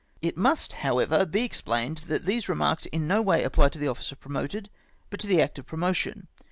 It must, however, be explained, that these remarks in no way apply to the officer promoted, but to the act of promotion.